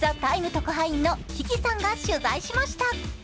特派員のききさんが取材しました。